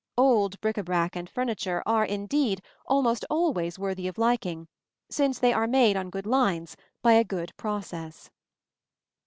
Old bric à brac and furniture are, indeed, almost always worthy of liking, since they are made on good lines by a good process.